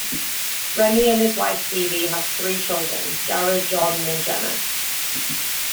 Remy and his wife Phoebe have three children, Jared, Jordan, and Jenna.